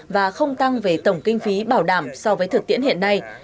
và không tăng về tổng kinh phí bảo đảm so với thực tiễn hiện nay